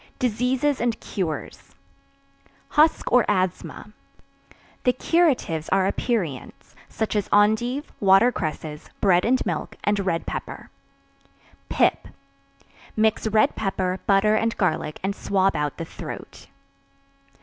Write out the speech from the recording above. Diseases and Cures. Husk or Asthma. The curatives are aperients, such as endive, water cresses, bread and milk, and red pepper. Pip. Mix red pepper, butter and garlic and swab out the throat.